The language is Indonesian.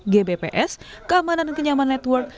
gbps keamanan dan kenyaman network